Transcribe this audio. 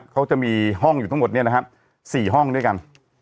เขาจะมีห้องอยู่ทั้งหมดเนี่ยนะฮะสี่ห้องด้วยกัน